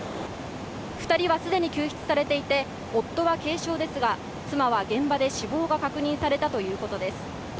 ２人は既に救出されていて、夫は軽傷ですが、妻は現場で死亡が確認されたということです。